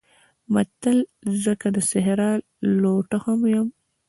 متل: زه که د صحرا لوټه هم یم